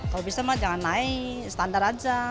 kalau bisa mah jangan naik standar aja